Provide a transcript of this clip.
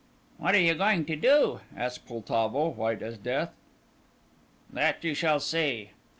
"What are you going to do?" asked Poltavo, white as death. "That you shall see."